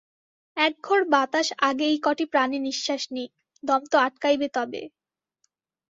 একঘর বাতাস আগে এই কটি প্রাণী নিশ্বাস নিক, দম তো আটকাইবে তবে!